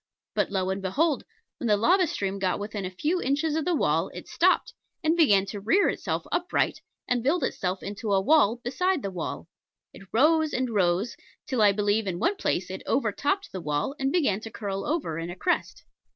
But lo and behold! when the lava stream got within a few inches of the wall it stopped, and began to rear itself upright and build itself into a wall beside the wall. It rose and rose, till I believe in one place it overtopped the wall and began to curl over in a crest.